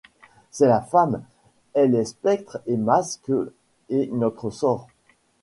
C’est la femme. Elle est spectre et masque, et notre sort